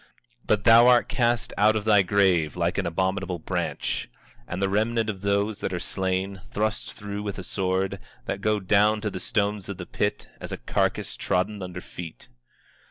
24:19 But thou art cast out of thy grave like an abominable branch, and the remnant of those that are slain, thrust through with a sword, that go down to the stones of the pit; as a carcass trodden under feet.